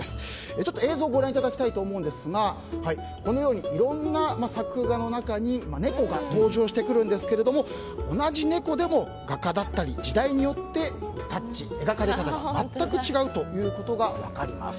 ちょっと映像をご覧いただきたいんですがいろんな作画の中に猫が登場してくるんですけども同じ猫でも画家だったり時代によってタッチ、描かれ方が全く違うということが分かります。